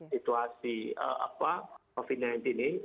situasi covid sembilan belas ini